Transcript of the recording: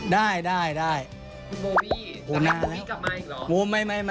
ได้